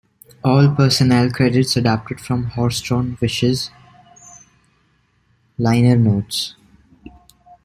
All personnel credits adapted from "Horsedrawn Wishes"s liner notes.